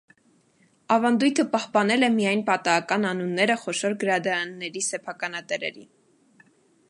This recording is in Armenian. Ավանդույթը պահպանել է միայն պատահական անունները խոշոր գրադարանների սեփականատերերի։